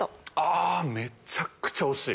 めちゃくちゃ惜しい。